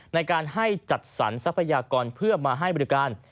ในการให้จัดสรรทรัพยากรเพื่อมาให้บริการ